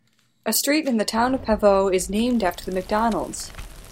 A street in the town of Pavo is named after the McDonalds.